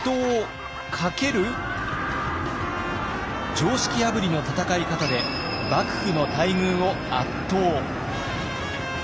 常識破りの戦い方で幕府の大軍を圧倒。